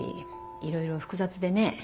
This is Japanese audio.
いろいろ複雑でね。